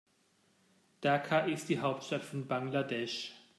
Dhaka ist die Hauptstadt von Bangladesch.